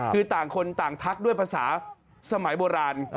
คือต่างคนต่างทักด้วยภาษาสมัยโบราณ